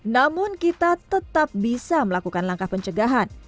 namun kita tetap bisa melakukan langkah pencegahan